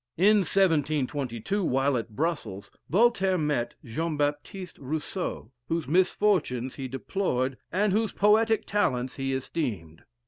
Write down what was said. In 1722, while at Brussels, Voltaire met Jean Baptiste Rousseau, whose misfortunes he deplored, and whose poetic talents he esteemed.